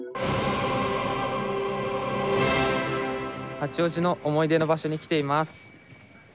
八王子の思い出の場所に来ています。